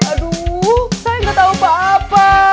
aduh saya nggak tahu apa apa